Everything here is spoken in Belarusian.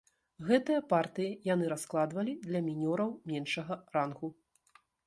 Гэтыя партыі яны раскладвалі для мінёраў меншага рангу.